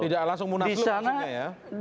tidak langsung munaslup maksudnya ya